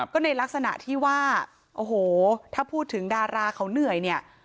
ก็ในลักษณะที่ว่าโอ้โหถ้าพูดถึงดาราเขาเหนื่อยเนี่ย